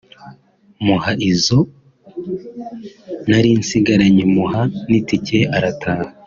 muha izo narinsigaranye muha n’itike arataha